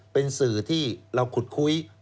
เป็นสื่อที่เราขุดคุย